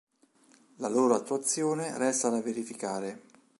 La loro attuazione resta da verificare..